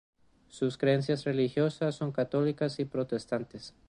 Sus creencias religiosas son católicas y protestantes.